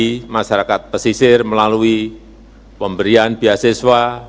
termasuk bagi masyarakat pesisir melalui pemberian beasiswa